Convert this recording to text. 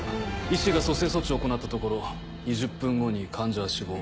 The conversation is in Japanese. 医師が蘇生措置を行ったところ２０分後に患者は死亡。